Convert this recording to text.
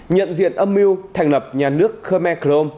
nhận diện âm mưu thành lập nhà nước khmer khmer âm